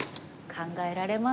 考えられますか？